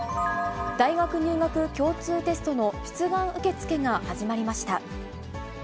大学入学共通テストの出願受け付けが始まりました。